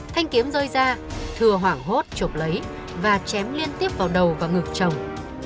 thanh kiếm rơi ra thưa hoảng hốt chụp lấy và chém liên tiếp vào đầu và ngực chồng